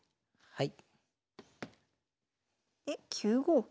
はい。